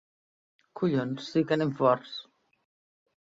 Collons, sí que anem forts!